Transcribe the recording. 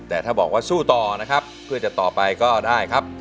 แต่ถ้าบอกว่าสู้ต่อนะครับเพื่อจะต่อไปก็ได้ครับ